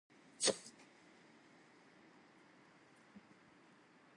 The caucus selected Pipes to lead the party and become the sixth Premier.